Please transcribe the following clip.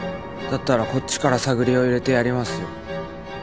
だったらこっちから探りを入れてやりますよ。